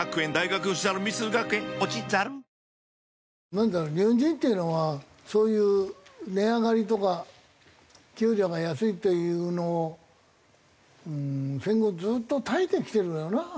なんだろう日本人っていうのはそういう値上がりとか給料が安いっていうのを戦後ずっと耐えてきてるんだよな。